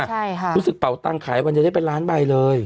ใช่ค่ะรู้สึกเป่าตังค์ขายวันเดียวได้เป็นล้านใบเลย